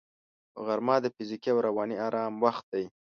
غرمه د فزیکي او رواني آرام وخت دی